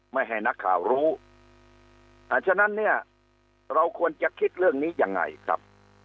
ไม่ให้นักข่าวรู้อ่าฉะนั้นเนี่ยเราควรจะคิดเรื่องนี้ยังไงครับ